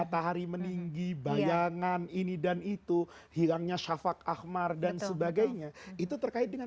matahari meninggi bayangan ini dan itu hilangnya syafak ahmar dan sebagainya itu terkait dengan